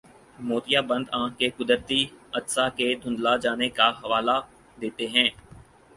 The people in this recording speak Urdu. موتیابند آنکھ کے قدرتی عدسہ کے دھندلا جانے کا حوالہ دیتے ہیں